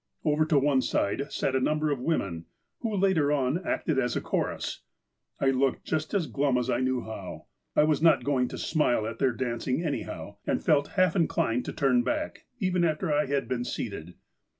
Over to one side sat a number of women, who, later on, acted as a chorus. I looked just as glum as I knew how. I was not going to smile at their dancing, anyhow, and felt half inclined to turn back, even after I had been seated.